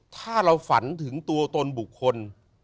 ถ้าเราฝันถึงตัวตนบุคคล